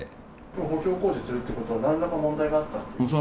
補強工事するっていうことは、なんらかの問題があったという？